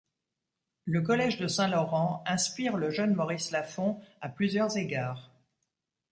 Le Collège de Saint-Laurent inspire le jeune Maurice Lafond à plusieurs égards.